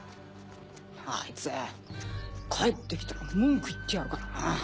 あいつ帰ってきたら文句言ってやるからな。